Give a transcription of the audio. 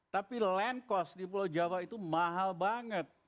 tapi land cost di pulau jawa itu mahal banget